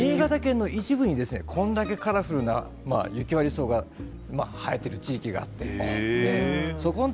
新潟県の一部にこれだけカラフルな雪割草が生えている地域があります。